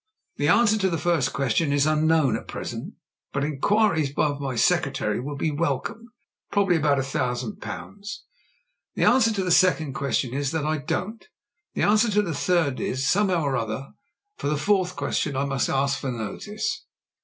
"The answer to the first question is unknown at pres^ ent, but inquiries of my secretary will be welcomed — probably about a thousand pounds. The answer to the second question is that I don't The answer to the third is — somehow ; and for the fourth question I must ask for notice."